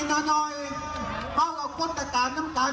คนหนึ่งเผาคุกคนหนึ่งเผาโรงพยาบาล